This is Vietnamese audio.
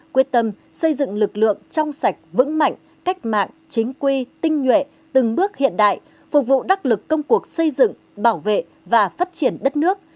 quyết tâm xây dựng lực lượng trong sạch vững mạnh cách mạng chính quy tinh nhuệ từng bước hiện đại phục vụ đắc lực công cuộc xây dựng bảo vệ và phát triển đất nước